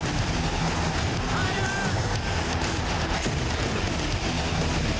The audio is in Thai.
ไทยรัก